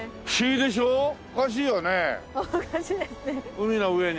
海の上に。